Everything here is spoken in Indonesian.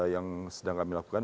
yang sedang kami lakukan